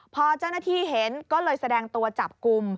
พอเจ้าหน้าที่เห็นก็เลยแสดงตัวจับกลุ่ม